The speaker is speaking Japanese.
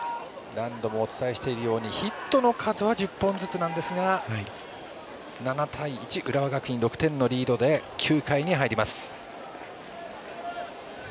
何度もお伝えしているようにヒットの数は１０本ずつなんですが７対１、浦和学院６点のリードで９回に入ります。